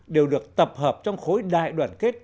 đều được tập hợp trong khối đại đoàn kết